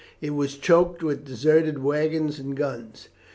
It was choked with deserted waggons and guns.